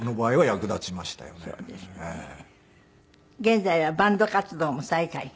現在はバンド活動も再開。